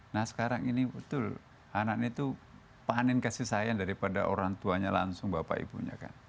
nah sekarang ini betul anak itu panen kasih sayang daripada orang tuanya langsung bapak ibunya kan